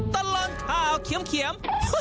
ตลอดข่าวเขียว